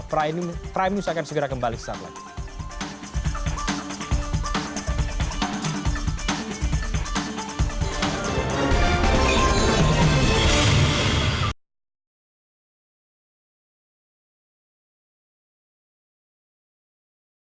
prime news akan segera kembali setelah ini